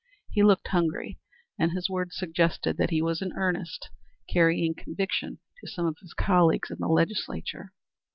He looked hungry, and his words suggested that he was in earnest, carrying conviction to some of his colleagues in the Legislature.